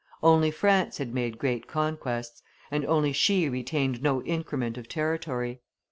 Only France had made great conquests; and only she retained no increment of territory.